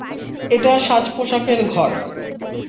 এটা সাজ পোশাকের ঘর।